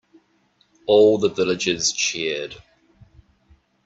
All the villagers cheered.